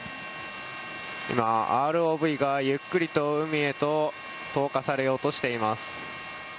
今、ＲＯＶがゆっくりと海へと投下されようとしています。